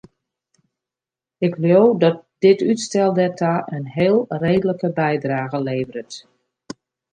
Ik leau dat dit útstel dêrta in heel reedlike bydrage leveret.